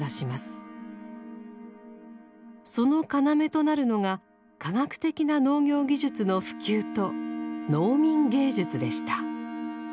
その要となるのが科学的な農業技術の普及と「農民芸術」でした。